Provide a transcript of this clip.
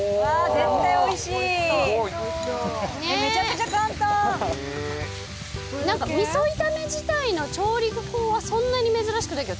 絶対おいしいすごいねっめちゃくちゃ簡単味噌炒め自体の調理法はそんなに珍しくないけど